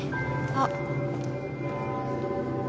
あっ。